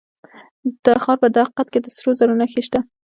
د تخار په درقد کې د سرو زرو نښې شته.